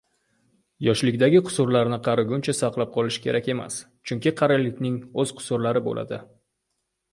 Yoshlikdagi qusurlarni qariguncha saqlab qolish kerak emas, chunki qarilikning o‘z qusurlari bo‘ladi.